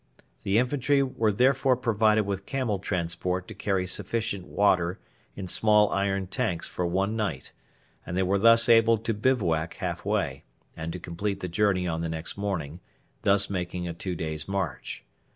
The infantry were therefore provided with camel transport to carry sufficient water in small iron tanks for one night; and they were thus able to bivouac half way, and to complete the journey on the next morning, thus making a two days' march.